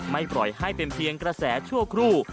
ปล่อยให้เป็นเพียงกระแสชั่วครู่